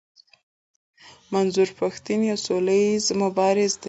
منظور پښتين يو سوله ايز مبارز دی.